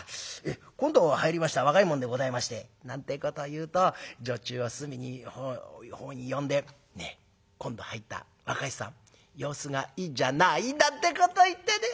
『今度入りました若い者でございまして』なんてこと言うと女中を隅のほうに呼んで『ねえ今度入った若い衆さん様子がいいじゃない』なんてこと言ってね。